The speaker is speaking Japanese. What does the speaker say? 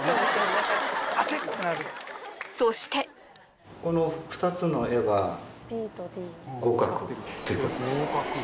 そしてこの２つの絵は合格ということです